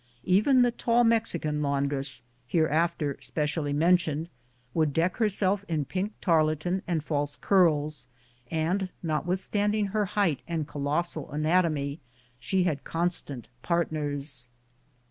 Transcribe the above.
Even the tall Mexican laundress, hereafter spe cially mentioned, would deck herself in pink tarletan and false curls, and notwithstanding her height and co lossal anatomy, she had constant partners.